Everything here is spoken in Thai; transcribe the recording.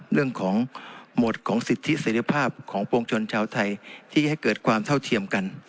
เรื่องของหมวดของสิทธิเสร็จภาพของปวงชนชาวไทยที่ให้เกิดความเท่าเทียมกัน